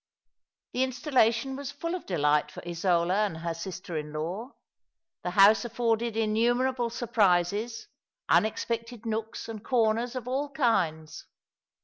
The installation was full of delight for Isola and her sister in law. The house afforded innumerable surprises, unexpected nooks and corners of all kinds.